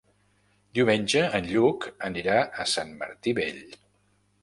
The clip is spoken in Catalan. Diumenge en Lluc anirà a Sant Martí Vell.